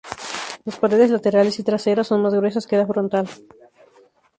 Las paredes laterales y traseras son más gruesas que la frontal.